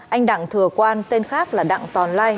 anh đặng thừa quan tên khác là đặng tòn lai